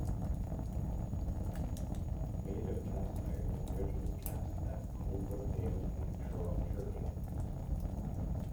Made of cast iron, the bridge was cast at Coalbrookdale in Shropshire, England.